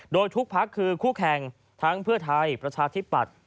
โดยทุกพักคือคู่แข่งทั้งเพื่อไทยประชาธิปัตย์